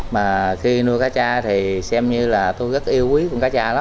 mà khi nuôi cá cha thì xem như là tôi rất yêu